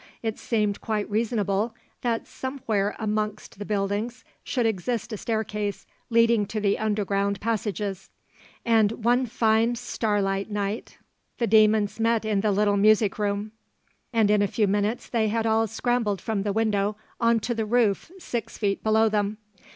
It seemed quite reasonable that somewhere amongst the buildings should exist a staircase leading to the underground passages, and one fine, starlight night the demons met in the little music room, and in a few minutes they had all scrambled from the window on to the roof six feet below them.